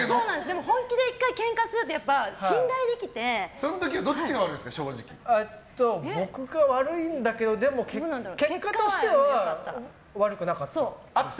でも本気で１回ケンカするとその時はどっちが悪いんですか僕が悪いんだけど結果としては悪くなかった。